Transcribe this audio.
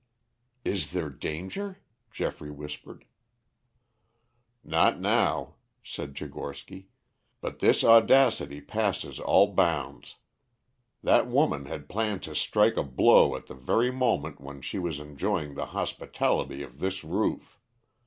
"Is there danger?" Geoffrey whispered. "Not now," said Tchigorsky, "but this audacity passes all bounds. That woman had planned to strike a blow at the very moment when she was enjoying the hospitality of this roof.